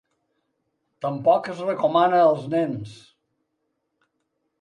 Tampoc es recomana als nens.